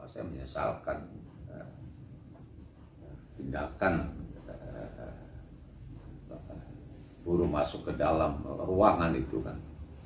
saya menyesalkan tindakan buruh masuk ke dalam ruangan itu kan